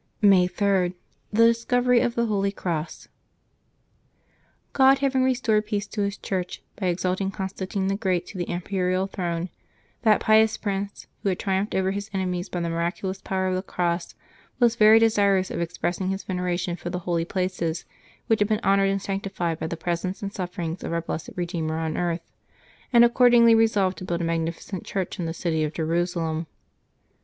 May 3.— THE DISCOVERY OF THE HOLY CROSS. eOD having restored peace to His Church, by exalting Constantino the Great to the imperial throne, that pious prince, who had triumphed over his enemies by the miraculous power of the cross, was ver}^ desirous of ex pressing his veneration for the holy places which had been honored and sanctified by the presence and sufferings of our blessed Eedeemer on earth, and accordingly resolved to build a magnificent church in the city of Jerusalem.